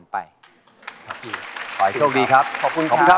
จ้าวรอคอย